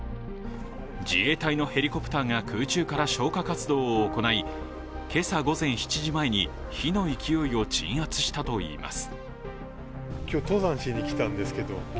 自衛隊のヘリコプターが空中から消火活動を行いけさ午前７時前に火の勢いを鎮圧したといいます。